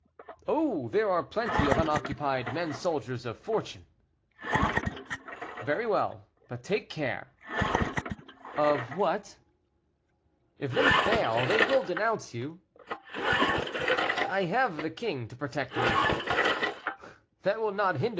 "Oh, there are plenty of unoccupied men soldiers of fortune." "Very well; but take care." "Of what?" "If they fail they will denounce you." "I have the king to protect me." "That will not hinder M.